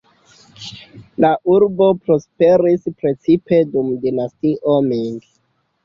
La urbo prosperis precipe dum Dinastio Ming.